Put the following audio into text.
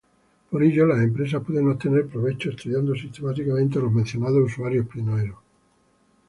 Por ello, las empresas pueden obtener provecho estudiando sistemáticamente a los mencionados usuarios pioneros.